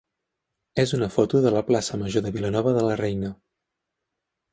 és una foto de la plaça major de Vilanova de la Reina.